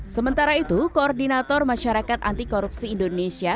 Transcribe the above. sementara itu koordinator masyarakat anti korupsi indonesia